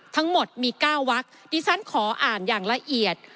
ทั้งหมดมี๙วักดิฉันขออ่านอย่างละเอียด